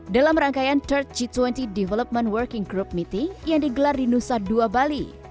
dalam rangkaian third g dua puluh development working group meeting yang digelar di nusa dua bali